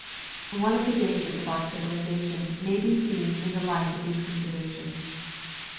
One of the dangers of our civilization may be seen in the light of these considerations.